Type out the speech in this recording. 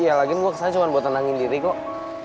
iya lagi gue kesana cuma buat tenangin diri kok